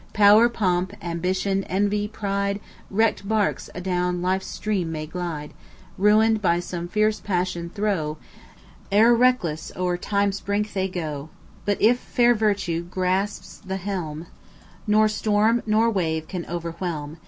Power, pomp, ambition, envy, pride, Wrecked barks adown life's stream may glide, Ruined by some fierce passion throe, E'er, reckless, o'er Time's brink they go; But if fair virtue grasps the helm, Nor storm nor wave can overwhelm.